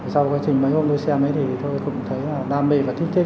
sau quá trình mấy hôm tôi xem thì tôi cũng thấy là đam mê và thích thích